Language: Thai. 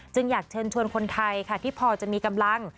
อยากเชิญชวนคนไทยค่ะที่พอจะมีกำลัง